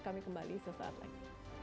kami kembali sesaat lagi